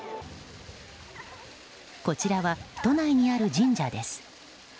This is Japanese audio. こちらは都内にある神社です。